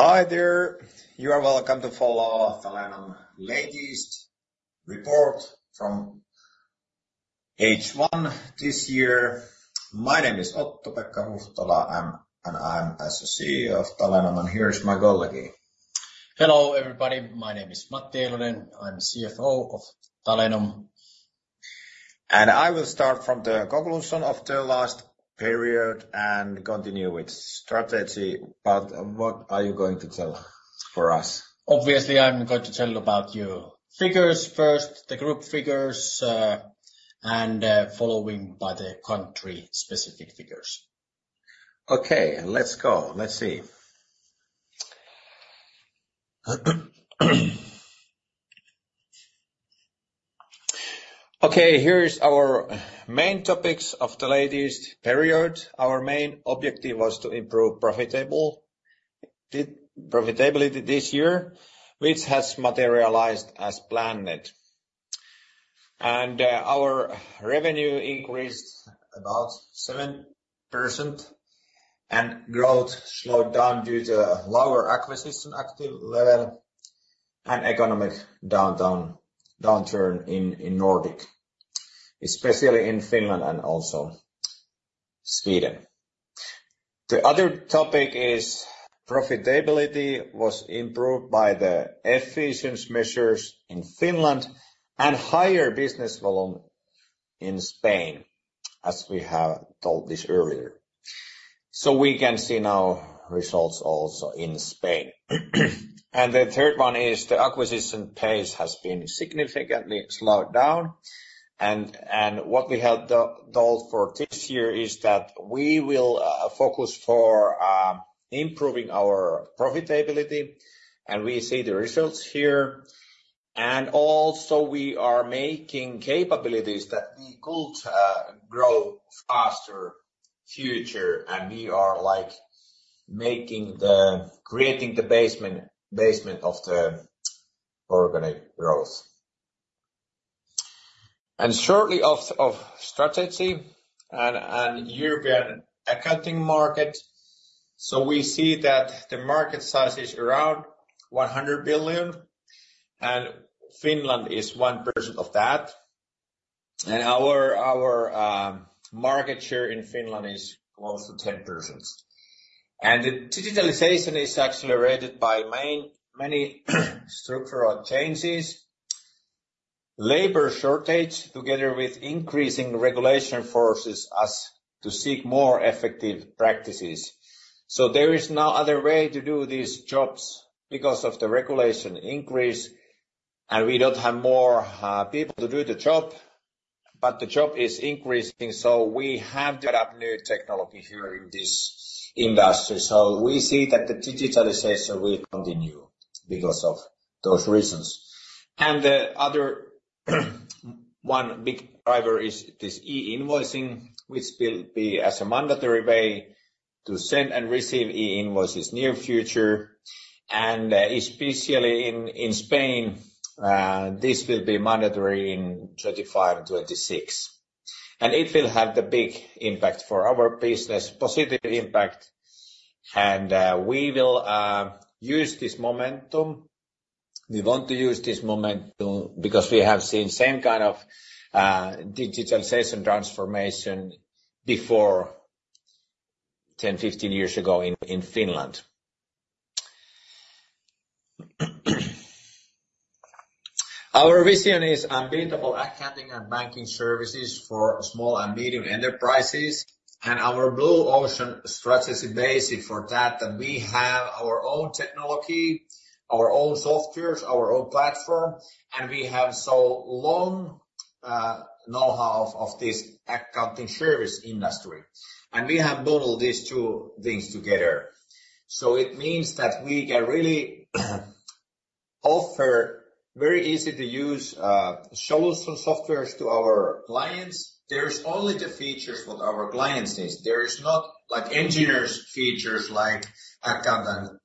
Hi there, you are welcome to follow Talenom's latest report from H1 this year. My name is Otto-Pekka Huhtala, and I'm the CEO of Talenom, and here is my colleague. Hello, everybody. My name is Matti Eilonen. I'm CFO of Talenom. I will start from the conclusion of the last period and continue with strategy. What are you going to tell for us? Obviously, I'm going to tell you about your figures first, the group figures, and followed by the country-specific figures. Okay, let's go. Let's see. Okay, here is our main topics of the latest period. Our main objective was to improve the profitability this year, which has materialized as planned. And our revenue increased about 7%, and growth slowed down due to a lower acquisition activity level, and economic downturn in the Nordics, especially in Finland and also Sweden. The other topic is profitability was improved by the efficiency measures in Finland and higher business volume in Spain, as we have told this earlier. So we can see now results also in Spain. And the third one is the acquisition pace has been significantly slowed down, and what we have told for this year is that we will focus for improving our profitability, and we see the results here. We are also making capabilities that we could grow faster future, and we are like creating the basement of the organic growth. And shortly of strategy and European accounting market, so we see that the market size is around 100 billion, and Finland is 1% of that. And our market share in Finland is close to 10%. And the digitalization is accelerated by many structural changes, labor shortage, together with increasing regulation forces us to seek more effective practices. So there is no other way to do these jobs because of the regulation increase, and we don't have more people to do the job, but the job is increasing, so we have to adapt new technology here in this industry. So we see that the digitalization will continue because of those reasons. The other, one big driver is this e-invoicing, which will be as a mandatory way to send and receive e-invoices near future, and especially in Spain, this will be mandatory in 2025 and 2026. It will have the big impact for our business, positive impact, and we will use this momentum. We want to use this momentum because we have seen same kind of digitalization transformation before, 10, 15 years ago in Finland. Our vision is unbeatable accounting and banking services for small and medium enterprises, and our Blue Ocean Strategy basis for that, and we have our own technology, our own software, our own platform, and we have so long know-how of this accounting service industry. We have bundled these two things together. So it means that we can really offer very easy to use solution softwares to our clients. There is only the features what our clients needs. There is not like engineers features, like accountant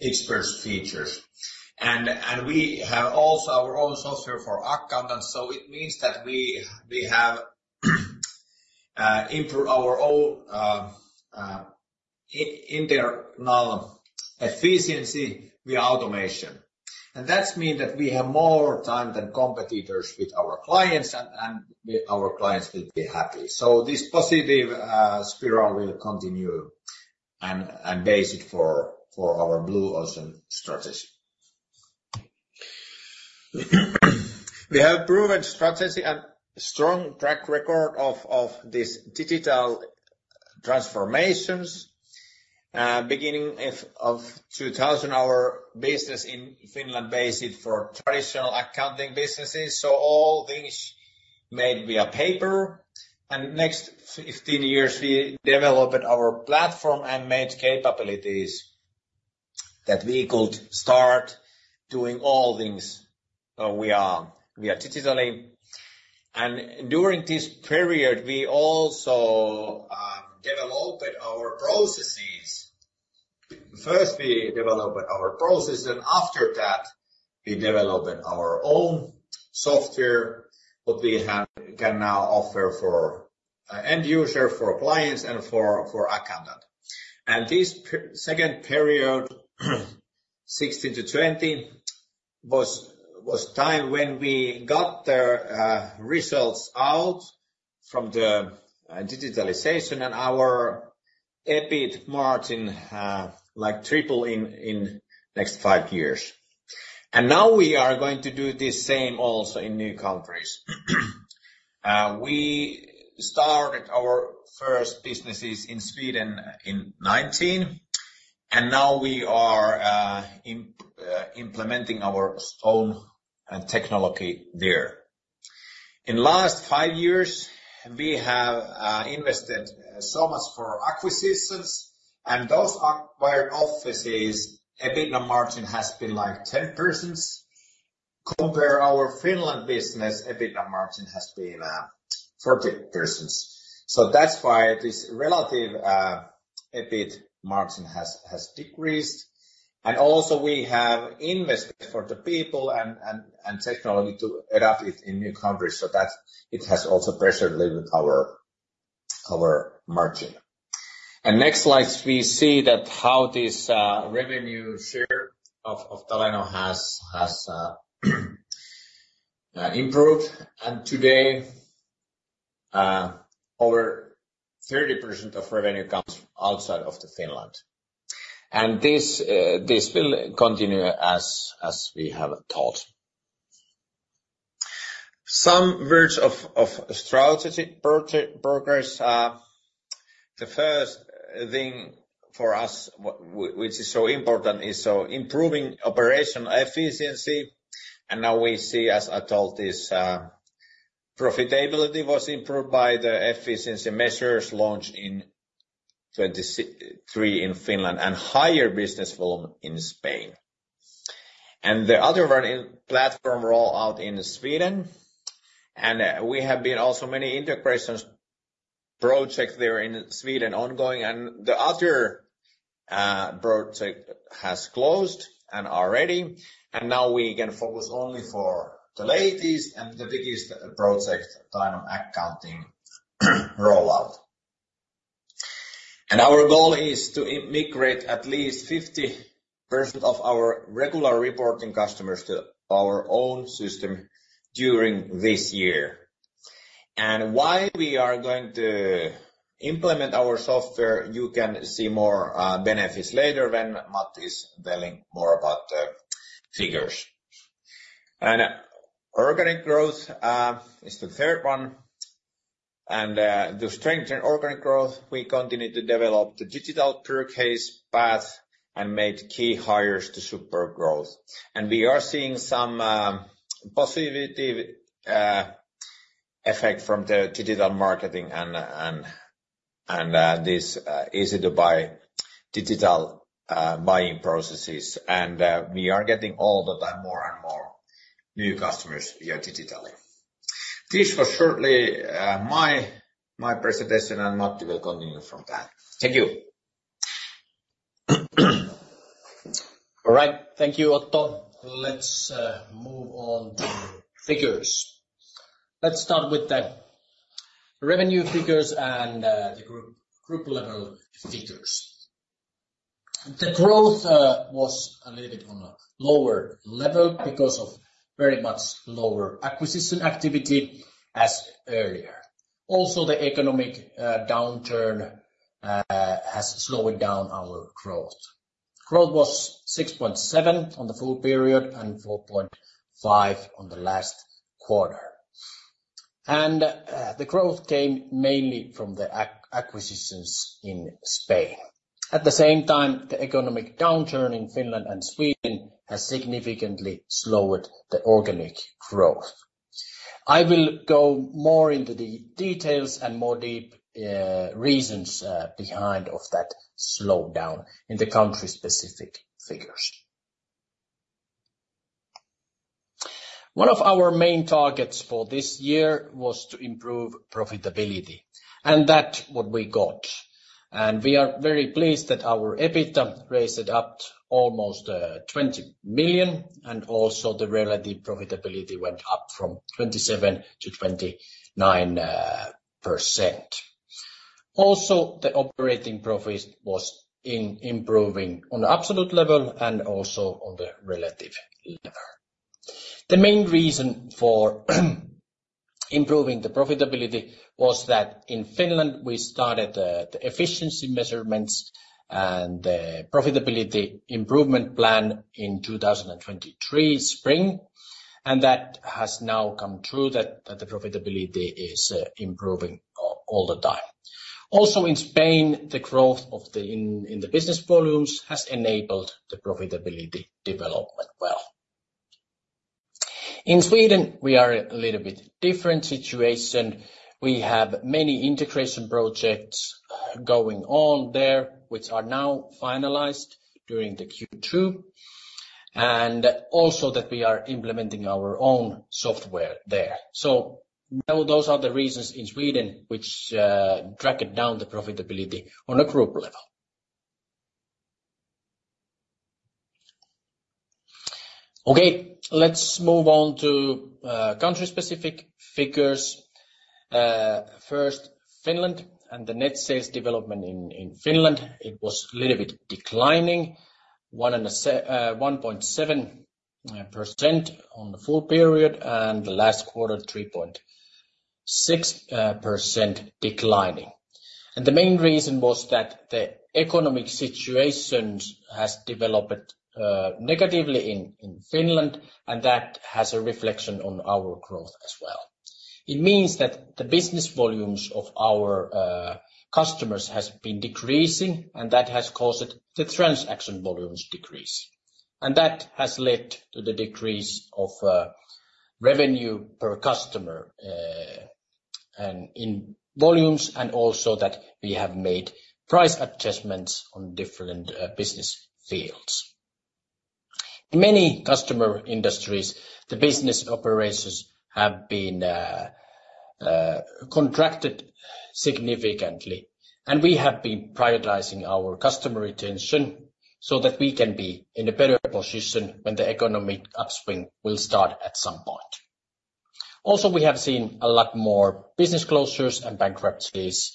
experts features. And we have also our own software for accountants, so it means that we have improve our own internal efficiency via automation. And that's mean that we have more time than competitors with our clients, and our clients will be happy. So this positive spiral will continue and basis for our Blue Ocean Strategy. We have proven strategy and strong track record of this digital transformations. Beginning of 2000, our business in Finland was basic for traditional accounting businesses, so all things were made via paper, and in the next 15 years, we developed our platform and made capabilities that we could start doing all things via digitally. And during this period, we also developed our processes. First, we developed our process, and after that, we developed our own software, what we can now offer for end user, for clients, and for accountant. And this second period, 2016 to 2020 was time when we got the results out from the digitalization and our EBIT margin like tripled in next five years. And now we are going to do the same also in new countries. We started our first businesses in Sweden in 2019, and now we are implementing our own technology there. In last five years, we have invested so much for acquisitions, and those acquired offices, EBITDA margin has been like 10%. Compare our Finland business, EBITDA margin has been 30%. So that's why this relative EBIT margin has decreased. And also we have invested for the people and technology to adapt it in new countries so that it has also pressured little our margin. And next slides, we see that how this revenue share of Talenom has improved. And today, over 30% of revenue comes from outside of the Finland, and this will continue as we have thought. Some words of strategy progress. The first thing for us, which is so important, is so improving operational efficiency. Now we see, as I told, this profitability was improved by the efficiency measures launched in 2023 in Finland, and higher business volume in Spain. The other one is platform rollout in Sweden, and we have been also many integration projects there in Sweden ongoing, and the other project has closed and are ready, and now we can focus only for the latest and the biggest project, Talenom Accounting rollout. Our goal is to migrate at least 50% of our regular reporting customers to our own system during this year. And why we are going to implement our software, you can see more benefits later when Matti is telling more about the figures. Organic growth is the third one, and to strengthen organic growth, we continue to develop the digital purchase path and make key hires to support growth. We are seeing some positivity effect from the digital marketing and this easy to buy digital buying processes. We are getting all the time more and more new customers via digitally. This was shortly my presentation, and Matti will continue from that. Thank you. All right. Thank you, Otto. Let's move on to figures. Let's start with the revenue figures and the group level figures. The growth was a little bit on a lower level because of very much lower acquisition activity as earlier. Also, the economic downturn has slowed down our growth. Growth was 6.7% on the full period and 4.5% on the last quarter. And the growth came mainly from the acquisitions in Spain. At the same time, the economic downturn in Finland and Sweden has significantly slowed the organic growth. I will go more into the details and more deep reasons behind of that slowdown in the country-specific figures. One of our main targets for this year was to improve profitability, and that what we got. We are very pleased that our EBITDA raised it up almost 20 million, and also the relative profitability went up from 27% to 29%. Also, the operating profit was improving on absolute level and also on the relative level. The main reason for improving the profitability was that in Finland, we started the efficiency measurements and the profitability improvement plan in 2023 spring, and that has now come true that the profitability is improving all the time. Also, in Spain, the growth of the business volumes has enabled the profitability development well. In Sweden, we are a little bit different situation. We have many integration projects going on there, which are now finalized during the Q2, and also that we are implementing our own software there. So those are the reasons in Sweden, which dragged down the profitability on a group level. Okay, let's move on to country-specific figures. First, Finland, and the net sales development in Finland, it was a little bit declining, 1.7% on the full period, and the last quarter, 3.6% declining. And the main reason was that the economic situation has developed negatively in Finland, and that has a reflection on our growth as well. It means that the business volumes of our customers has been decreasing, and that has caused the transaction volumes decrease. And that has led to the decrease of revenue per customer, and in volumes, and also that we have made price adjustments on different business fields. In many customer industries, the business operations have been contracted significantly, and we have been prioritizing our customer retention so that we can be in a better position when the economic upswing will start at some point. Also, we have seen a lot more business closures and bankruptcies,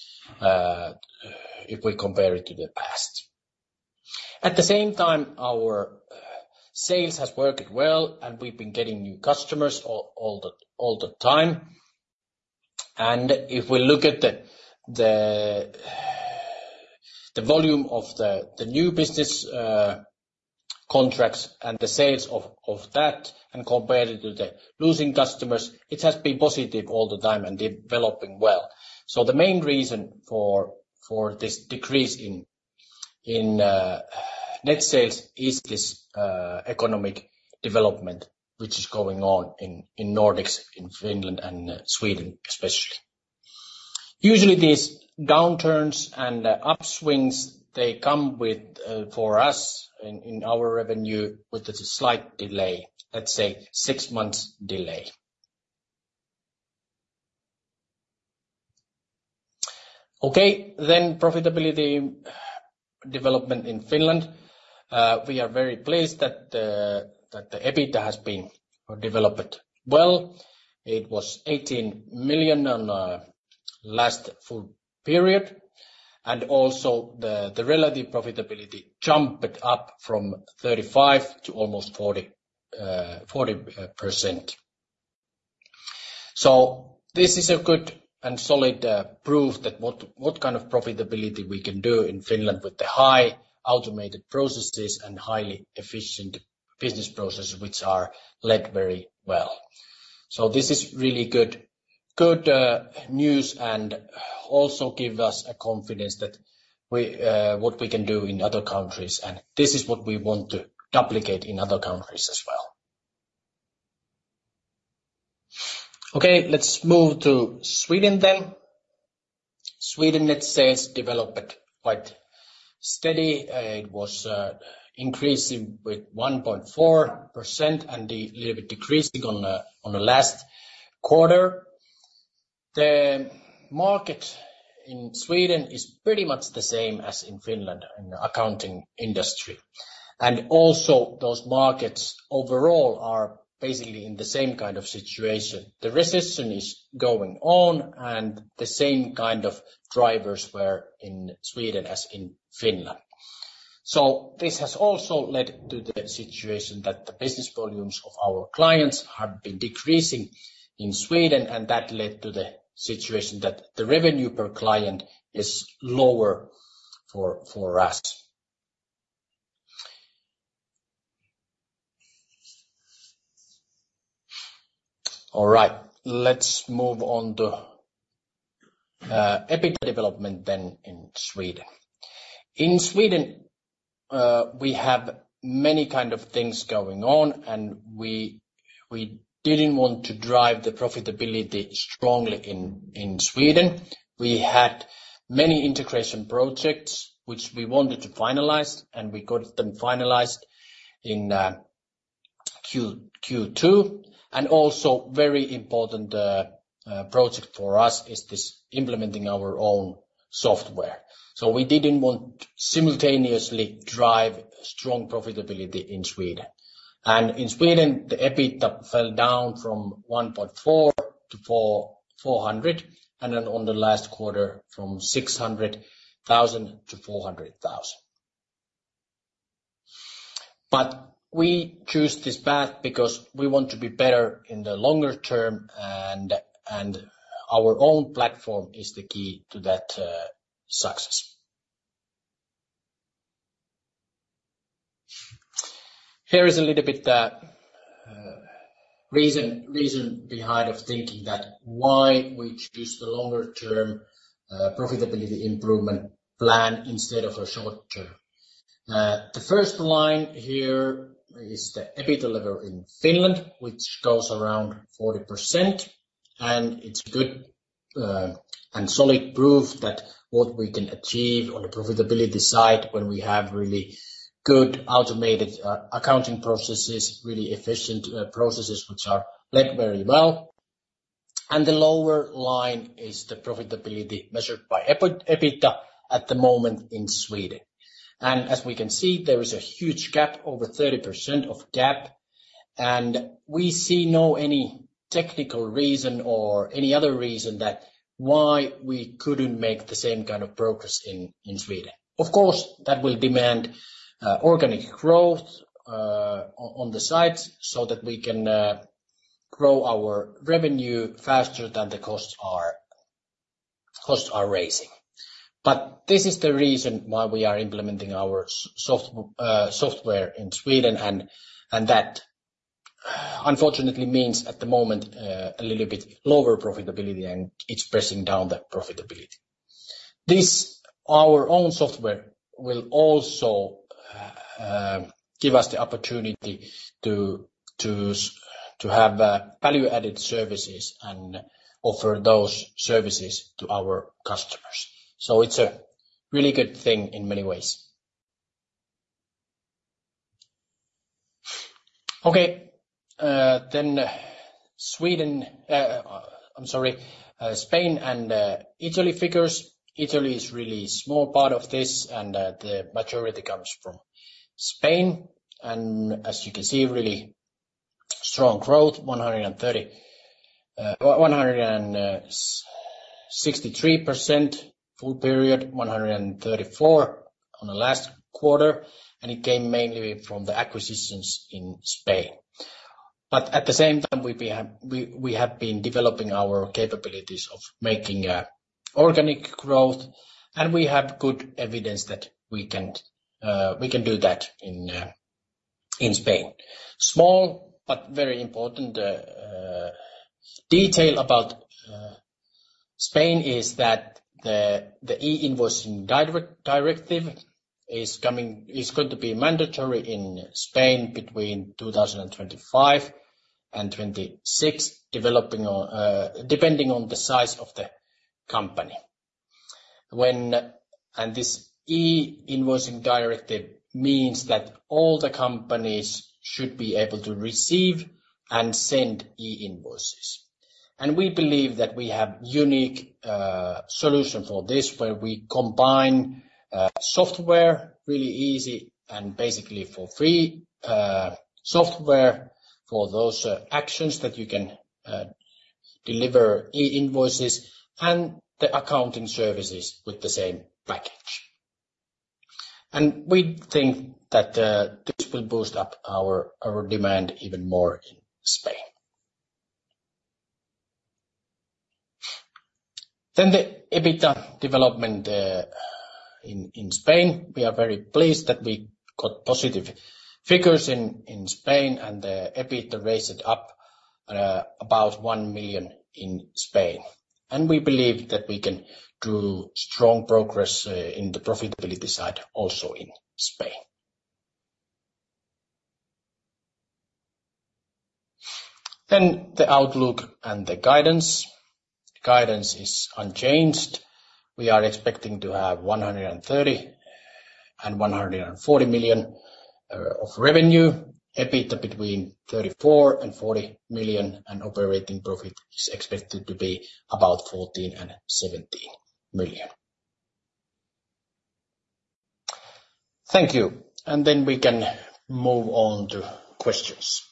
if we compare it to the past. At the same time, our sales has worked well, and we've been getting new customers all the time. And if we look at the volume of the new business contracts and the sales of that, and compare it to the losing customers, it has been positive all the time and developing well. So the main reason for this decrease in net sales is this economic development, which is going on in Nordics, in Finland and Sweden, especially. Usually, these downturns and upswings, they come with, for us, in our revenue, with a slight delay, let's say, six months delay. Okay, then profitability development in Finland. We are very pleased that the EBITDA has been developed well. It was 18 million in last full period, and also the relative profitability jumped up from 35% to almost 40%. So this is a good and solid proof that what kind of profitability we can do in Finland with the high automated processes and highly efficient business processes, which are led very well. So this is really good news, and also give us a confidence that what we can do in other countries, and this is what we want to duplicate in other countries as well. Okay, let's move to Sweden then. Sweden net sales developed quite steady. It was increasing with 1.4%, and a little bit decreasing on the last quarter. The market in Sweden is pretty much the same as in Finland, in the accounting industry. Also, those markets overall are basically in the same kind of situation. The recession is going on, and the same kind of drivers were in Sweden as in Finland. So this has also led to the situation that the business volumes of our clients have been decreasing in Sweden, and that led to the situation that the revenue per client is lower for us. All right, let's move on to EBITDA development then in Sweden. In Sweden, we have many kind of things going on, and we didn't want to drive the profitability strongly in Sweden. We had many integration projects, which we wanted to finalize, and we got them finalized in Q2, and also very important project for us is this implementing our own software. So we didn't want to simultaneously drive strong profitability in Sweden. In Sweden, the EBITDA fell down from 1.4 million to 400,000 and then on the last quarter, from 600,000 to 400,000. But we choose this path because we want to be better in the longer term, and our own platform is the key to that success. Here is a little bit reason behind of thinking that why we choose the longer term profitability improvement plan instead of a short term. The first line here is the EBITDA level in Finland, which goes around 40%, and it's good, and solid proof that what we can achieve on the profitability side when we have really good automated accounting processes, really efficient, processes, which are led very well. And the lower line is the profitability measured by EBITDA at the moment in Sweden. And as we can see, there is a huge gap, over 30% of gap, and we see no any technical reason or any other reason that why we couldn't make the same kind of progress in Sweden. Of course, that will demand organic growth on the sides so that we can grow our revenue faster than the costs are, costs are rising. But this is the reason why we are implementing our software in Sweden, and that unfortunately means, at the moment, a little bit lower profitability, and it's pressing down the profitability. This, our own software, will also give us the opportunity to have value-added services and offer those services to our customers. So it's a really good thing in many ways. Okay, then Sweden, I'm sorry, Spain and Italy figures. Italy is really small part of this, and the majority comes from Spain, and as you can see, really strong growth, 130%, 163% full period, 134% on the last quarter, and it came mainly from the acquisitions in Spain. But at the same time, we have been developing our capabilities of making organic growth, and we have good evidence that we can do that in Spain. Small but very important detail about Spain is that the e-invoicing directive is going to be mandatory in Spain between 2025 and 2026, depending on the size of the company. And this e-invoicing directive means that all the companies should be able to receive and send e-invoices. And we believe that we have unique solution for this, where we combine software, really easy and basically for free software, for those actions that you can deliver e-invoices and the accounting services with the same package. We think that this will boost up our our demand even more in Spain. Then the EBITDA development in Spain. We are very pleased that we got positive figures in Spain, and the EBITDA raised up about 1 million in Spain, and we believe that we can do strong progress in the profitability side, also in Spain. Then the outlook and the guidance. Guidance is unchanged. We are expecting to have 130 million and 140 million of revenue, EBITDA between 34 million and 40 million, and operating profit is expected to be about 14 million and 17 million. Thank you, and then we can move on to questions.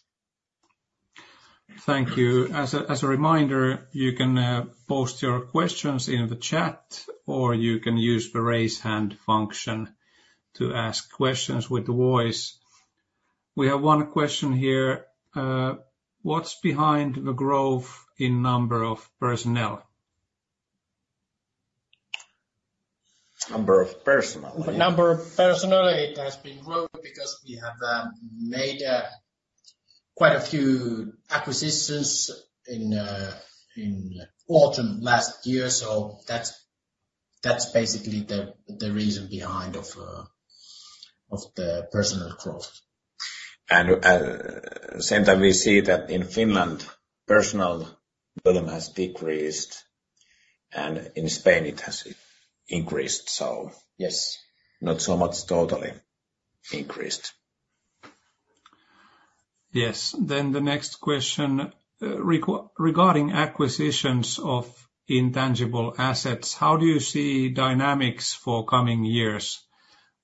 Thank you. As a reminder, you can post your questions in the chat, or you can use the raise hand function to ask questions with the voice. We have one question here. What's behind the growth in number of personnel? Number of personnel. The number of personnel, it has been growth because we have made quite a few acquisitions in autumn last year, so that's basically the reason behind of the personnel growth. And, same that we see that in Finland, personnel volume has decreased, and in Spain it has increased. So, Yes. Not so much totally increased. Yes. Then the next question: regarding acquisitions of intangible assets, how do you see dynamics for coming years?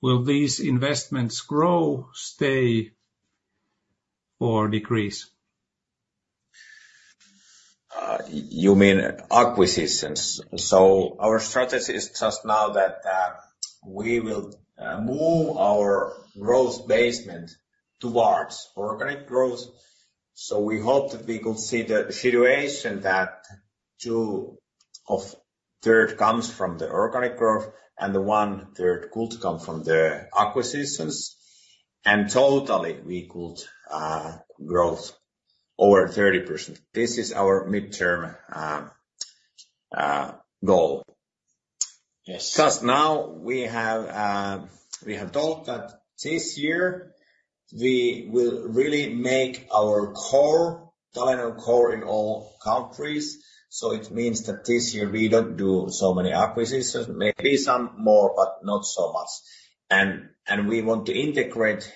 Will these investments grow, stay, or decrease? You mean acquisitions? So our strategy is just now that we will move our growth basement towards organic growth, so we hope that we could see the situation that 2/3 comes from the organic growth, and the 1/3 could come from the acquisitions, and totally, we could growth over 30%. This is our mid-term goal. Yes. Just now, we have, we have thought that this year, we will really make our core, Talenom core in all countries, so it means that this year we don't do so many acquisitions, maybe some more, but not so much. And, and we want to integrate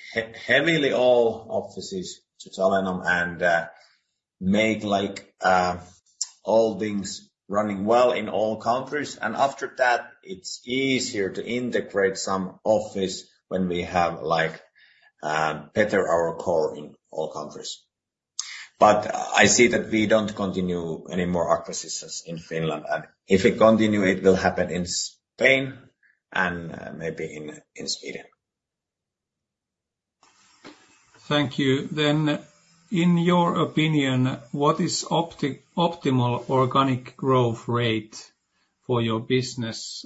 heavily all offices to Talenom and, make, like, all things running well in all countries, and after that, it's easier to integrate some office when we have, like, better our core in all countries. But I see that we don't continue any more acquisitions in Finland, and if we continue, it will happen in Spain and, maybe in Sweden. Thank you. Then, in your opinion, what is optimal organic growth rate for your business,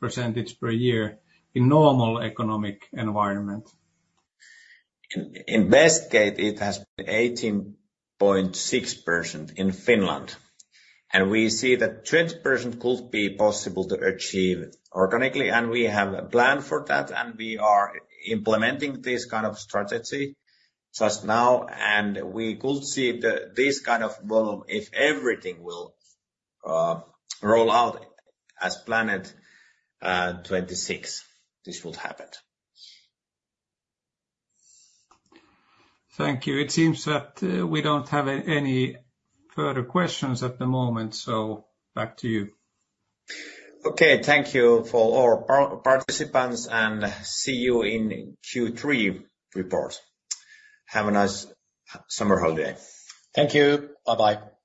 percentage per year in normal economic environment? In best case, it has been 18.6% in Finland, and we see that 20% could be possible to achieve organically, and we have a plan for that, and we are implementing this kind of strategy just now, and we could see this kind of volume if everything will roll out as planned, 2026, this will happen. Thank you. It seems that, we don't have any further questions at the moment, so back to you. Okay. Thank you for all participants, and see you in Q3 report. Have a nice summer holiday. Thank you. Bye-bye.